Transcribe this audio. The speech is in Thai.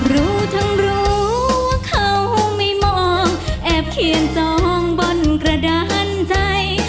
รู้ทั้งรู้ว่าเขาไม่มองแอบเขียนจองบนกระดานใจ